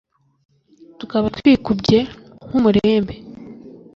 tukaba twikubye nk'umurembe